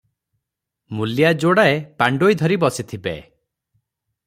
ମୂଲିଆ ଯୋଡ଼ାଏ ପାଣ୍ଡୋଇ ଧରି ବସିଥିବେ ।